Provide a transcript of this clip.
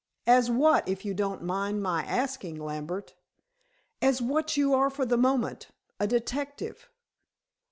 "As what, if you don't mind my asking, Lambert?" "As what you are for the moment, a detective."